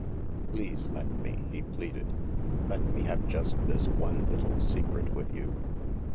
Please let me," he pleaded. "Let me have just this one little secret with you."